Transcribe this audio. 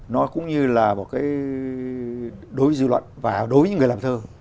nó cũng như là một cái đối với dư luận và đối với những người làm thơ